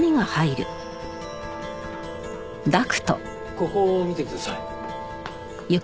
ここ見てください。